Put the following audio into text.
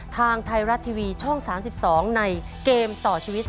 ทางไทยรัฐทีวีช่อง๓๒ในเกมต่อชีวิต